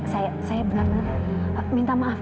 saya benar benar minta maaf